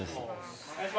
お願いします！